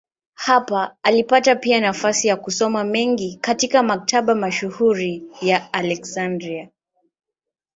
Hapa alipata pia nafasi ya kusoma mengi katika maktaba mashuhuri ya Aleksandria.